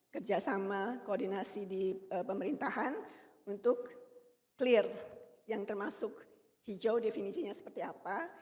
kerjasama koordinasi di pemerintahan untuk clear yang termasuk hijau definisinya seperti apa